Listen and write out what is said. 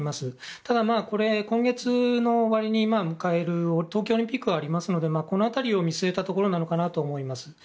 ただ、今月の終わりに迎える東京オリンピックがありますのでこの辺りを見据えたところなのかなと思います。